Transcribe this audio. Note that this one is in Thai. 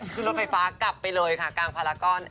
ขึ้นรถไฟฟ้ากลับไปเลยค่ะกลางพารากร